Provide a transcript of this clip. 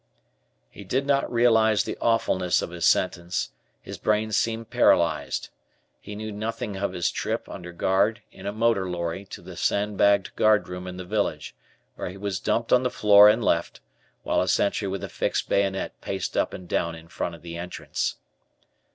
He did not realize the awfulness of his sentence, his brain seemed paralyzed. He knew nothing of his trip, under guard, in a motor lorry to the sand bagged guardroom in the village, where he was dumped on the floor and left, while a sentry with a fixed bayonet paced up and down in front of the entrance.